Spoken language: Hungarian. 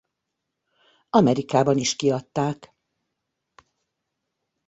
Amerikában is kiadták.